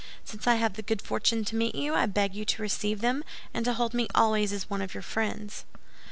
Since I have the good fortune to meet you, I beg you to receive them, and to hold me always as one of your friends."